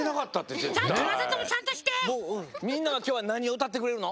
みんなはきょうはなにをうたってくれるの？